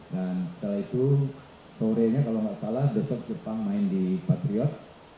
dan setelah itu sore nya kalau gak salah besok jepang main di patriot